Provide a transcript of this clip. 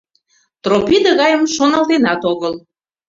Тропий тыгайым шоналтенат огыл.